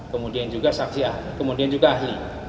kemudian juga saksi ahli kemudian juga ahli